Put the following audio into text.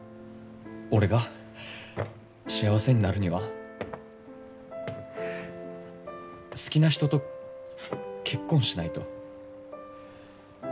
俺が幸せになるには好きな人と結婚しないと。